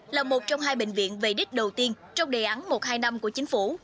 là một trong hai bệnh viện về đích đầu tiên trong đề án một hai năm của chính phủ